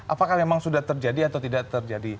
apakah memang sudah terjadi atau tidak terjadi